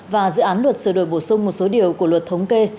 và dự án luật sửa đổi bổ sung một số điều của luật thống kê